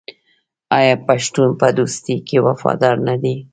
آیا پښتون په دوستۍ کې وفادار نه وي؟